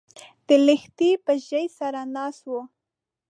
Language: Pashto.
د لښتي په ژۍ سره ناست و